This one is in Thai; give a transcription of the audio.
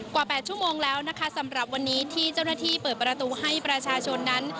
กว่า๘ชั่วโมงแล้วนะคะสำหรับวันนี้ที่เจ้าหน้าที่เปิดประตูให้ประชาชนนั้น